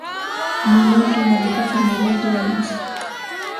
Mon oncle n’avait pas fermé l’œil de la nuit.